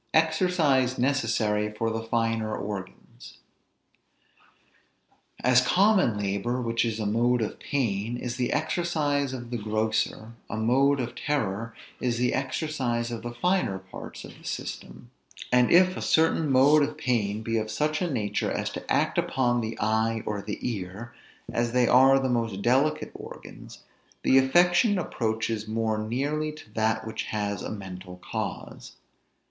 EXERCISE NECESSARY FOR THE FINER ORGANS. As common labor, which is a mode of pain, is the exercise of the grosser, a mode of terror is the exercise of the finer parts of the system; and if a certain mode of pain be of such a nature as to act upon the eye or the ear, as they are the most delicate organs, the affection approaches more nearly to that which has a mental cause.